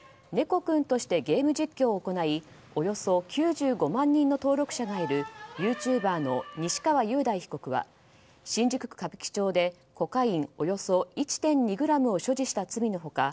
こくん！としてゲーム実況を行いおよそ９５万人の登録者がいるユーチューバーの西川雄大被告は新宿区歌舞伎町でコカインおよそ１．２ｇを所持した罪の他